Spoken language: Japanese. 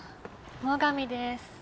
最上です。